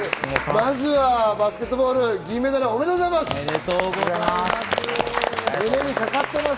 まずはバスケットボール、銀メダルおめでとうございます！